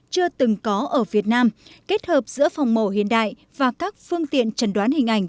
chưa từng có ở việt nam kết hợp giữa phòng mổ hiện đại và các phương tiện trần đoán hình ảnh